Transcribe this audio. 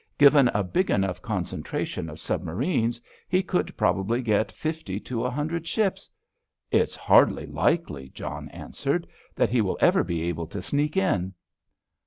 Given a big enough concentration of submarines, he could probably get fifty to a hundred ships——" "It's hardly likely," John answered, "that he will ever be able to sneak in."